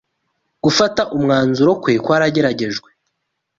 gufata umwanzuro kwe kwarageragejwe